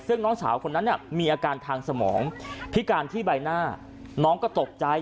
ซึ่งน้องสาวคนนั้นเนี่ยมีอาการทางสมองพิการที่ใบหน้าน้องก็ตกใจ